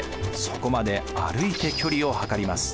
そこまで歩いて距離を測ります。